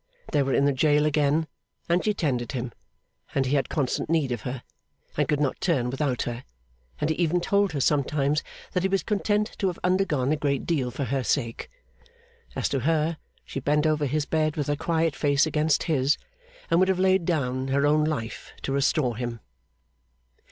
They were in the jail again, and she tended him, and he had constant need of her, and could not turn without her; and he even told her, sometimes, that he was content to have undergone a great deal for her sake. As to her, she bent over his bed with her quiet face against his, and would have laid down her own life to restore him.